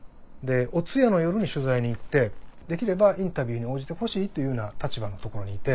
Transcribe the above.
お通夜の夜に取材に行ってできればインタビューに応じてほしいというような立場のところにいて。